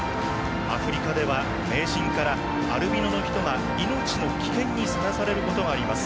アフリカでは、迷信からアルビノの人が命の危険にさらされることがあります。